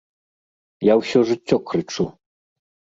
Я ўсё жыццё крычу.